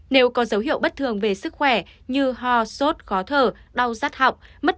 nếu có dấu hiệu bất thường về sức khỏe như ho sốt khó thở đau giác học